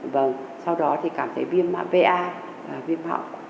và sau đó thì cảm thấy viêm va viêm họng